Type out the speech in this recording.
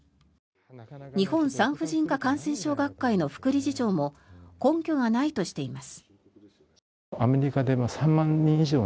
日本産婦人科感染症学会の副理事長も根拠がないとしています。